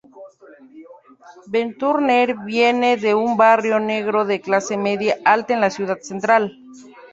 Ben Turner viene de un barrio negro de clase media alta en Ciudad Central.